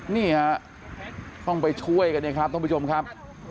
นี่ฮะต้องไปช่วยกันเนี่ยครับท่านผู้ชมครับ